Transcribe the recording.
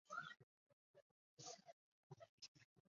同年成为格拉斯哥卡利多尼安大学的校监。